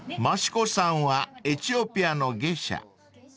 ［益子さんはエチオピアのゲシャ］